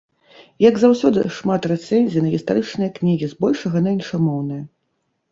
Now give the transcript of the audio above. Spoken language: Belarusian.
Як заўсёды шмат рэцэнзій на гістарычныя кнігі, збольшага на іншамоўныя.